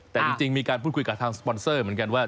แต่จริงมีการพูดคุยกับทางสปอนเซอร์เหมือนกันว่า